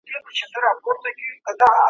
په کلي کې ماشومان په خاورو کې لوبې کوي.